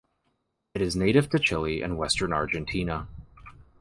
It is native to Chile and western Argentina.